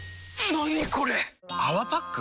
何これ⁉「泡パック」？